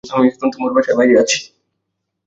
আচ্ছা, আমি এখন তোমার বাসার বাইরে আছি।